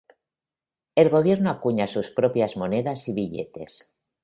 El gobierno acuña sus propias monedas y billetes.